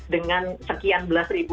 dengan sekian belas ribu